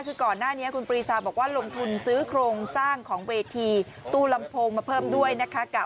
คือก่อนหน้านี้คุณปรีชาบอกว่าลงทุนซื้อโครงสร้างของเวทีตู้ลำโพงมาเพิ่มด้วยนะคะ